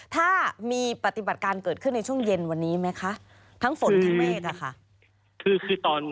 ถ้ามีปฏิบัติการเกิดขึ้นในช่วงเย็นวันนี้ไหมคะทั้งฝนทั้งเมฆอะค่ะ